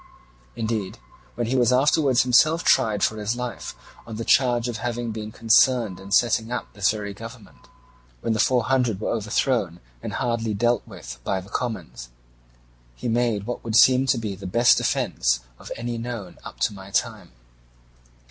Indeed, when he was afterwards himself tried for his life on the charge of having been concerned in setting up this very government, when the Four Hundred were overthrown and hardly dealt with by the commons, he made what would seem to be the best defence of any known up to my time.